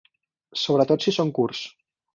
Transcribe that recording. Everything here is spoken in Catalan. Sobretot si són curts.